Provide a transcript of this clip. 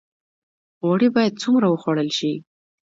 غوړي باید څومره وخوړل شي؟